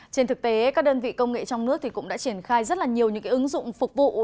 trên thực tế các đơn vị công nghệ trong nước cũng đã triển khai rất là nhiều những ứng dụng phục vụ